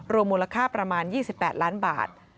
มูลค่าประมาณ๒๘ล้านบาท